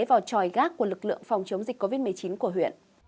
vào tròi gác của lực lượng phòng chống dịch covid một mươi chín của huyện